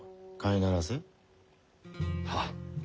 はっ。